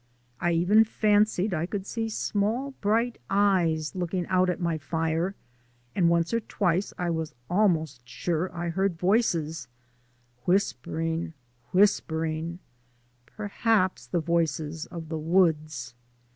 I even fancied I could see small bright eyes looking out at my fire, and once or twice I was almost sure I heard voices whispering , perhaps the voices of the woods.